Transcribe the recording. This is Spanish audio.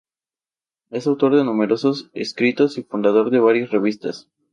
Es autor de numerosos escritos y fundador de varias revistas.